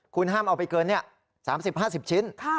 คุณห้ามเอาไปเกิน๓๐๕๐ชิ้น